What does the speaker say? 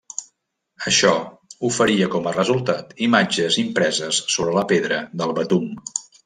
Això oferia com a resultat imatges impreses sobre la pedra del betum.